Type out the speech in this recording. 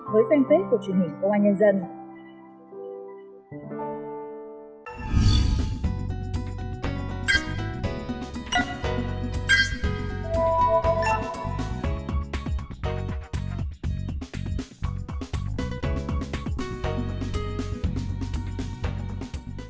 với fanpage của truyền hình công an nhân dân